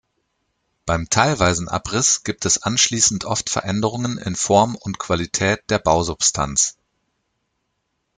Beim teilweisen Abriss gibt es anschließend oft Veränderungen in Form und Qualität der Bausubstanz.